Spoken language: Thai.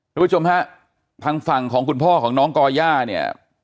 ทุกผู้ชมฮะทางฝั่งของคุณพ่อของน้องก่อย่าเนี่ย